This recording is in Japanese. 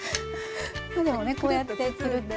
でもねこうやってクルッと。